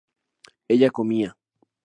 ella comía